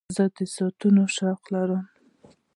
زه د ساعتونو شوق لرم.